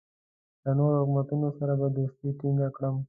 له نورو حکومتونو سره به دوستي ټینګه کړم.